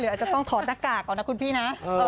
อาจจะต้องถอดหน้ากากเอานะคุณพี่นะ